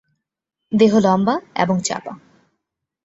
দেহ লম্বা এবং চাপা।